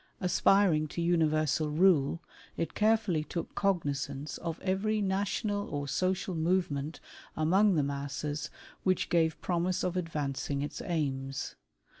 Aspiring to universal rule, it carefully took cognizance of every national or social movement among the masses, which gave promise of advancing its aims.